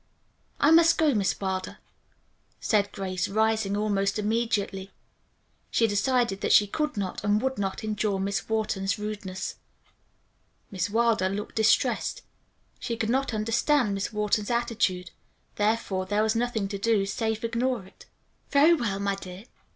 "I must go, Miss Wilder," said Grace, rising almost immediately. She decided that she could not and would not endure Miss Wharton's rudeness. Miss Wilder looked distressed. She could not understand Miss Wharton's attitude, therefore there was nothing to do save ignore it. "Very well, my dear.